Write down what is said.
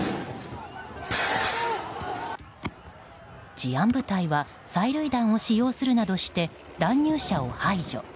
治安部隊は催涙弾を使用するなどして乱入者を排除。